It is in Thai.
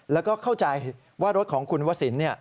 แล้วก็เข้าใจว่ารถของคุณวัดสินเนี่ย